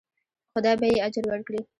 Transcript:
خدای به یې اجر ورکړي.